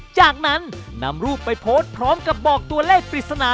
จากนั้นนำรูปไปโพสต์พร้อมกับบอกตัวเลขปริศนา